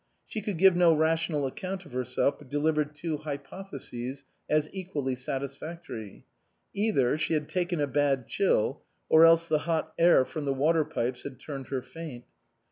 She could give no rational account of herself, but offered two hypotheses as equally satisfactory; either she had taken a bad chill, or else the hot air from the water pipes had turned her faint.